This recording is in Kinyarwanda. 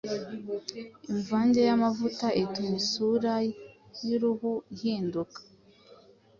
imvange y’amavuta atuma isura y’uruhu ihinduka